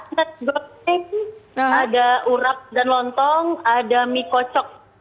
nasi goreng ada urap dan lontong ada mie kocok